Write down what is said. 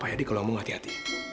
pak yadi kalau ngomong hati hati